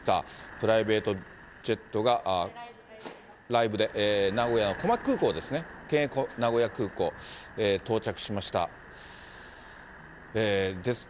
プライベートジェットがライブで、名古屋のこまき空港ですね、県営名古屋空港、到着しました。